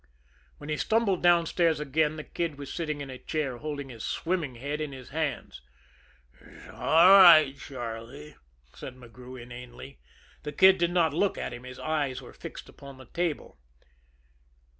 When he stumbled downstairs again, the Kid was sitting in a chair, holding his swimming head in his hands. "S'all right, Charlie," said McGrew inanely. The Kid did not look at him; his eyes were fixed upon the table.